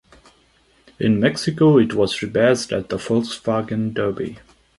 In Mexico it was rebadged as the Volkswagen Derby.